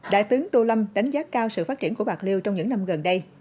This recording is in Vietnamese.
đại tướng tô lâm đánh giá cao sự phát triển của bạc liêu trong những năm gần đây